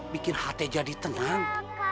bikin hati jadi tenang